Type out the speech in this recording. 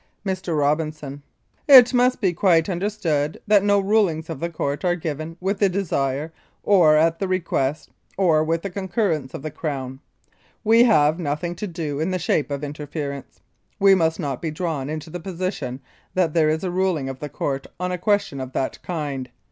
Mr. ROBINSON: It must be quite understood that no rulings of the Court are given with the desire or at the request or with the concurrence of the Crown. We have nothing to do in the shape of interference. We must not be drawn into the position that there is a ruling of the Court on a question of that kind.